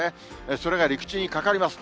それが陸地にかかります。